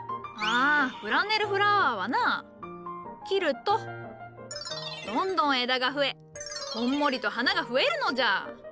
あフランネルフラワーはな切るとどんどん枝がふえこんもりと花がふえるのじゃ。